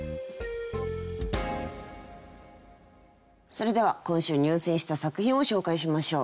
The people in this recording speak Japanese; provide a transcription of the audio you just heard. それでは今週入選した作品を紹介しましょう。